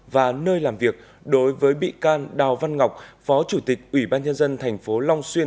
và nơi làm việc đối với bị can đào văn ngọc phó chủ tịch ủy ban nhân dân tp long xuyên